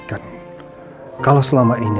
kenapa ada hal seperti itu ya